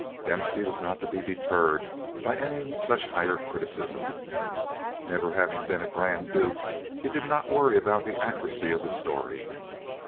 Dempsey was not to be deterred by any such higher criticism. Never having been a grand duke, he did not worry about the accuracy of the story.